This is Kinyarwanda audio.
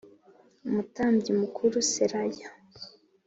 umutambyi mukuru Seraya